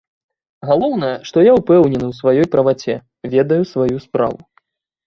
Галоўнае, што я ўпэўнены ў сваёй праваце, ведаю сваю справу.